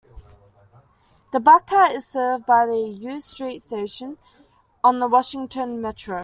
The Black Cat is served by the U Street station on the Washington Metro.